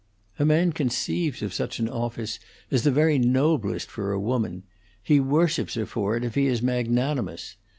A man conceives of such an office as the very noblest for a woman; he worships her for it if he is magnanimous.